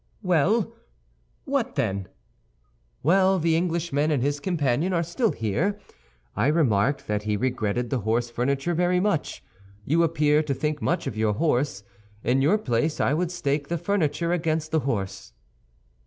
"Well, what then?" "Well; the Englishman and his companion are still here. I remarked that he regretted the horse furniture very much. You appear to think much of your horse. In your place I would stake the furniture against the horse."